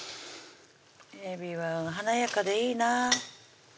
えびは華やかでいいなぁ